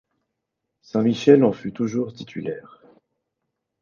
Saint Michel en fût toujours titulaire.